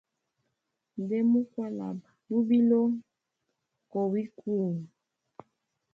Nde mu kwalaba lubilo kowi kuu.